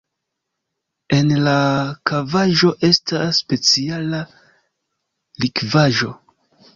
En la kavaĵo estas speciala likvaĵo.